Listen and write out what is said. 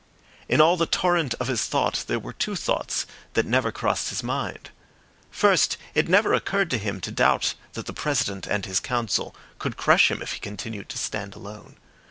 In all the torrent of his thought there were two thoughts that never crossed his mind. First, it never occurred to him to doubt that the President and his Council could crush him if he continued to stand alone.